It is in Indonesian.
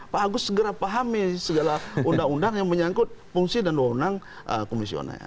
pak agus segera pahami segala undang undang yang menyangkut fungsi dan undang komisioner